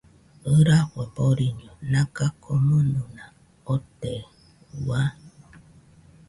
ɨrafue boriño naga komɨnɨna ote, Ua